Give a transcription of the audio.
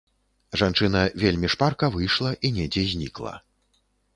Жанчына вельмі шпарка выйшла і недзе знікла.